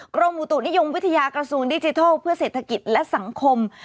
กรมอุตุนิยมวิทยากระทรวงดิจิทัลเพื่อเศรษฐกิจและสังคม